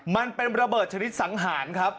มันเป็นระเบิดชนิดสังหารครับ